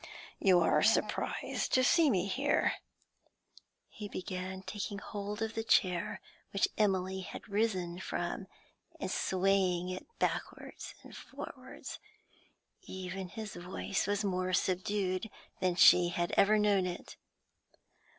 'You are surprised to see me here?' he began, taking hold of the chair which Emily had risen from and swaying it backwards and forwards. Even his voice was more subdued than she had ever known it.